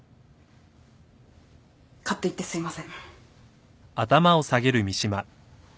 勝手言ってすいません。